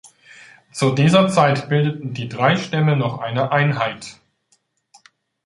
Zu dieser Zeit bildeten die drei Stämme noch eine Einheit.